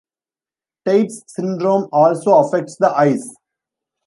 Tietz syndrome also affects the eyes.